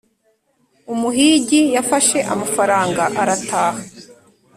umuhigi yafashe amafaranga arataha.